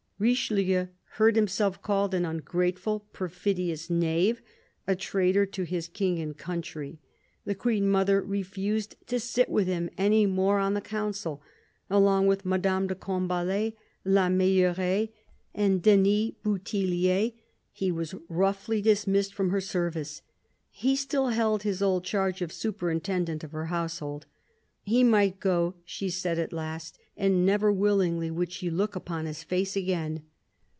Richelieu heard himself called an ungrateful, perfidious knave, a traitor to his King and country. The Queen mother refused to sit with him any more on the Council. Along with Madame de Combalet, La Meilleraye, and Denys Bouthillier, he was roughly dismissed from her service — he still held his old charge of superintendent of her household. He might go, she said at last, and never wiUingly would she look upon his face again.